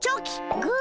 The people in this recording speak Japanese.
グー！